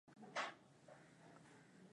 Nizakudumu milele amina.